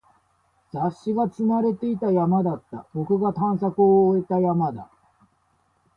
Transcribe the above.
雑誌が積まれていた山だった。僕が探索を終えた山だ。